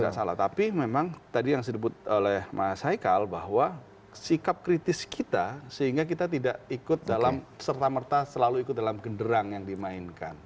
tidak salah tapi memang tadi yang disebut oleh mas haikal bahwa sikap kritis kita sehingga kita tidak ikut dalam serta merta selalu ikut dalam genderang yang dimainkan